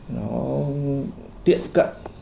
nó tiện cận